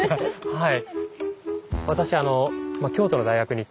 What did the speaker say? はい。